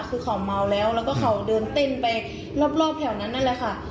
คือเขาเมาแล้วแล้วก็เขาเดินเต้นไปรอบแถวนั้นนั่นแหละค่ะ